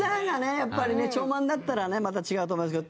やっぱりね、超満だったらねまた違うと思いますけど。